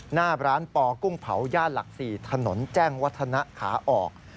หน้าร้านปอกุ้งเผาย่านหลัก๔ถนนแจ้งวัฒนะขาออก